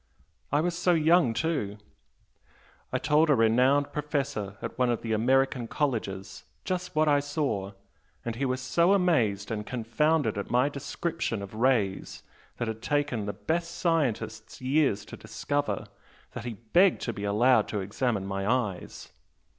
I was so young, too! I told a renowned professor at one of the American colleges just what I saw, and he was so amazed and confounded at my description of rays that had taken the best scientists years to discover, that he begged to be allowed to examine my eyes!